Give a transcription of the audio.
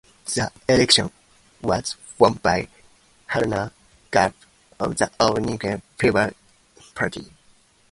The election was won by Haruna Garba of the All Nigeria Peoples Party.